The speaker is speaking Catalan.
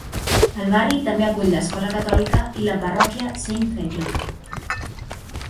El barri també acull l'escola catòlica i la parròquia Saint Thecla.